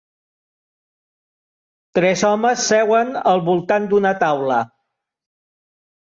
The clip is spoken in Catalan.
Tres homes seuen al voltant d'una taula.